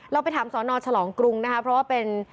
เราไปถามสนฉลองกรุงนะคะเพราะว่าเป็น